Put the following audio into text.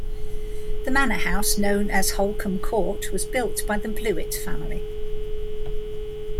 The manor house known as Holcombe Court was built by the Bluett family.